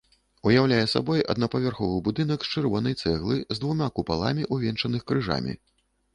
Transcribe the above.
Уяўляе сабой аднапавярховы будынак з чырвонай цэглы з двума купаламі, увянчаных крыжамі.